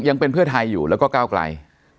ยังเป็นเพื่อไทยอยู่ก็กร่าวไกล